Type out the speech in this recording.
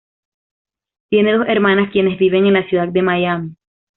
Tiene dos hermanas quienes viven en la ciudad de Miami.